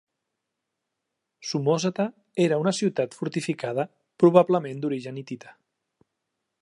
Samòsata era una ciutat fortificada, probablement d'origen hitita.